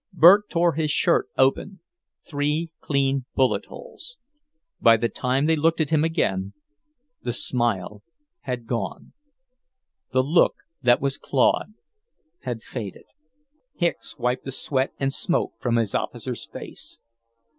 Bert tore his shirt open; three clean bullet holes. By the time they looked at him again, the smile had gone... the look that was Claude had faded. Hicks wiped the sweat and smoke from his officer's face.